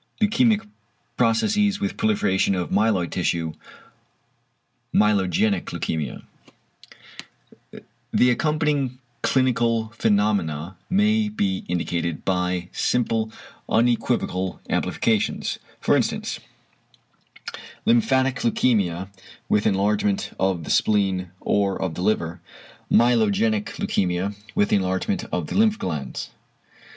=leukæmic processes with proliferation of myeloid tissue=: "~myelogenic leukæmia~." The accompanying clinical phenomena may be indicated by simple unequivocal amplifications, for instance, "lymphatic leukæmia with enlargement of the spleen or of the liver"; "myelogenic leukæmia with enlargement of the lymph glands," &c.